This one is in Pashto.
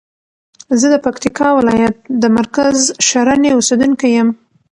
زه د پکتیکا ولایت د مرکز شرنی اوسیدونکی یم.